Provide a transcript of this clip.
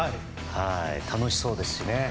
楽しそうでしたしね。